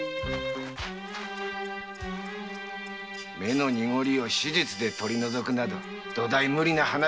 目の濁りを手術で取り除くなど土台無理な話だ。